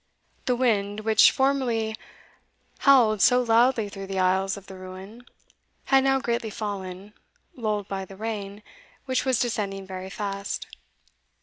The wind, which formerly howled so loudly through the aisles of the ruin, had now greatly fallen, lulled by the rain, which was descending very fast.